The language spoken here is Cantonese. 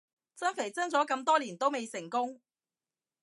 增肥增咗咁多年都未成功